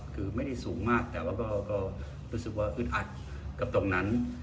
คือไม่ได้สูงมากแต่ว่าก็รู้สึกว่าอึดอัดกับตรงนั้น